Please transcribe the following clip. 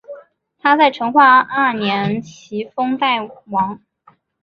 他在成化二年袭封代王。